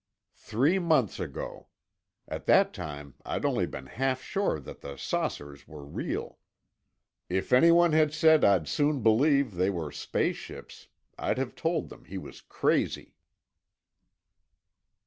Three months ago. At that time I'd only been half sure that the saucers were real. If anyone had said I'd soon believe they were space ships, I'd have told him he was crazy.